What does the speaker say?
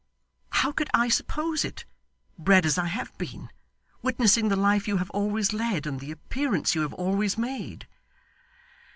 How could I suppose it, bred as I have been; witnessing the life you have always led; and the appearance you have always made?